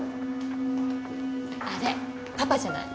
あれパパじゃない？